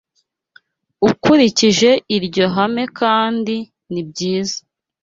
Ukurikije iryo hame kandi, ni byiza